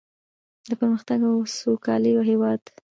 د پرمختګ او سوکالۍ هیواد.